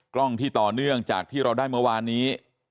กล้องที่ต่อเนื่องจากที่เราได้เมื่อวานนี้